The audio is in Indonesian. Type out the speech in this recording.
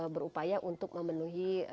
berupaya untuk memenuhi